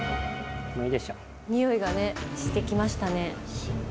においがねしてきましたね。